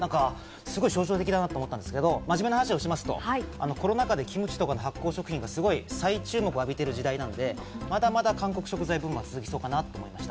象徴的だなと思ったんですけど、真面目な話をしますと、コロナ禍でキムチとか発酵食品が再注目を浴びている時代なんで、まだまだ韓国食材ブームは続きそうかなと思いました。